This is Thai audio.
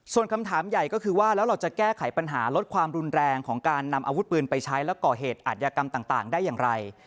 ส่วนคำถามใหญ่ก็คือว่าแล้วเราจะแก้ไขปัญหาลดความรุนแรงของการนำอาวุธปืนไปใช้แล้วก่อเหตุอัธยกรรมต่างได้อย่างไร